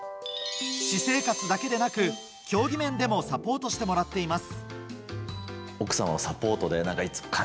私生活だけではなく競技面でもサポートしてもらっています。